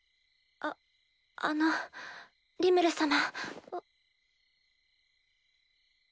ああのリムル様。